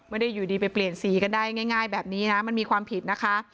ไม่ได้อยู่ดีไปเปลี่ยนสีกันได้ง่ายแบบนี้นะมันมีความผิดนะคะ